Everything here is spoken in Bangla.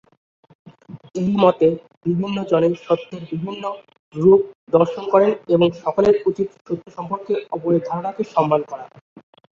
এই মতে, বিভিন্ন জনে সত্যের বিভিন্ন রূপ দর্শন করেন এবং সকলের উচিত সত্য সম্পর্কে অপরের ধারণাকে সম্মান করা।